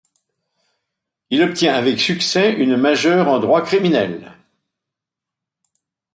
Il obtient avec succès une majeure en droit criminel.